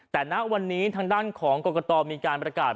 แต่ณวันนี้ทางด้านของกรกตมีการประกาศ